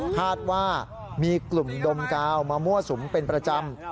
คาดว่ามีกลุ่มดมกาวมามั่วสุมเป็นประจำ